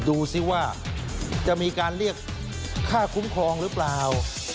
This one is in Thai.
ดูสิว่าจะมีการเรียกค่าคุ้มครองหรือเปล่า